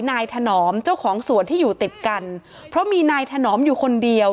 ถนอมเจ้าของสวนที่อยู่ติดกันเพราะมีนายถนอมอยู่คนเดียว